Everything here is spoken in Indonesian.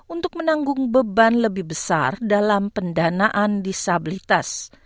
untuk menanggung beban lebih besar dalam pendanaan disabilitas